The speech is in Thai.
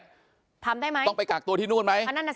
ทำได้ไหมอันนั้นนะสิต้องไปกักตัวที่นู่นไหม